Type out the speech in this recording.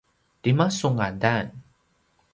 tima su ngadan?